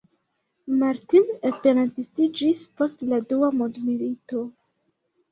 Martin esperantistiĝis post la dua mondmilito.